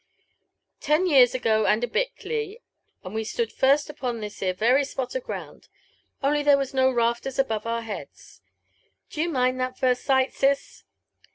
"Ten years ago and a bit, Cli, and we stood first upon this 'ere very spot of ground ; only there was no rafters above our heads. D'ye mind that first night, sis